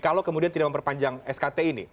kalau kemudian tidak memperpanjang skt ini